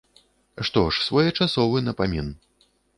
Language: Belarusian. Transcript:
Што ж, своечасовы напамін.